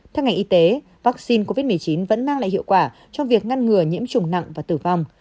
theo ngành y tế vaccine covid một mươi chín vẫn mang lại hiệu quả trong việc ngăn ngừa nhiễm trùng nặng và tử vong